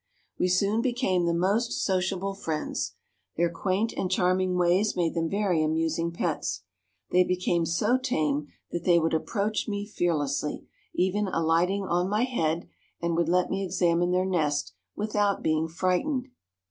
We soon became the most sociable friends. Their quaint and charming ways made them very amusing pets. They became so tame that they would approach me fearlessly, even alighting on my head, and would let me examine their nest without being frightened.